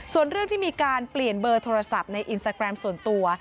ส่วนเรื่องที่มีการเปลี่ยนเบอร์โทรศัพท์ในอินสตาแกรมส่วนตัว